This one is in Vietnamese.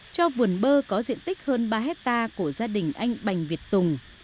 cho vườn bơ có diện tích hơn ba hectare của gia đình anh bành việt tùng